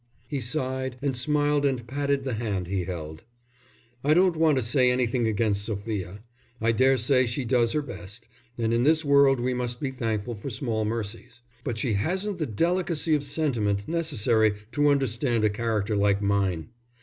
He sighed and smiled and patted the hand he held. "I don't want to say anything against Sophia. I daresay she does her best, and in this world we must be thankful for small mercies, but she hasn't the delicacy of sentiment necessary to understand a character like mine.